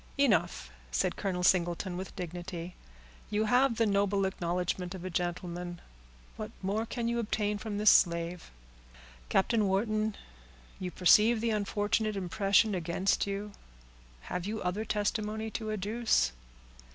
"Enough," said Colonel Singleton, with dignity. "You have the noble acknowledgment of a gentleman, what more can you obtain from this slave?—Captain Wharton, you perceive the unfortunate impression against you. Have you other testimony to adduce?"